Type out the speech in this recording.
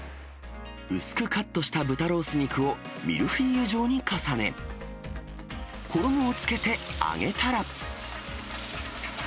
薄くカットした豚ロース肉をミルフィーユ状に重ね、衣をつけて揚げたら。